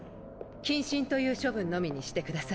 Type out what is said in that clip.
謹慎という処分のみにしてくださり。